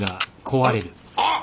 あっ！